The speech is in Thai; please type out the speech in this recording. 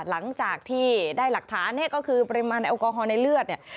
หลังจากที่ได้หลักฐานเนี่ยก็คือปริมาณแอลกอฮอล์ในเลือดเนี่ย